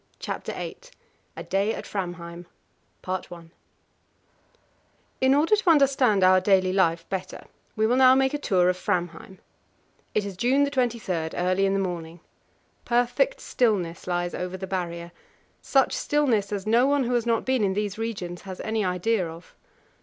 CHAPTER VIII A Day at Framheim In order to understand our daily life better, we will now make a tour of Framheim. It is June 23, early in the morning. Perfect stillness lies over the Barrier such stillness as no one who has not been in these regions has any idea of.